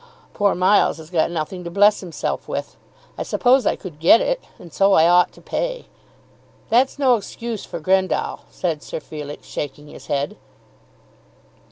Poor Miles has got nothing to bless himself with. I suppose I could get it, and so I ought to pay." "That's no excuse for Grendall," said Sir Felix, shaking his head.